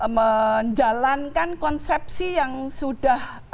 menjalankan konsepsi yang sudah